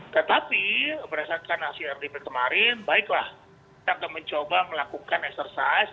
tetapi berdasarkan hasil rdp kemarin baiklah kita akan mencoba melakukan eksersis